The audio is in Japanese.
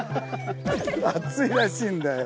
熱いらしいんだよ。